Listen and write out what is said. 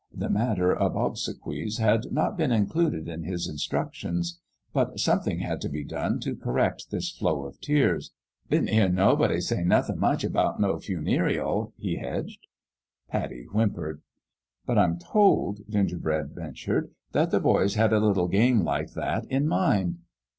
The matter of ob sequies had not been included in his instructions. But something had to be done to correct this flow of tears. " Didn't hear nobody say nothin' much about no funeerial," he hedged. Pattie whimpered. " But I'm told," Gingerbread ventured, " that the boys had a little game like that in mind."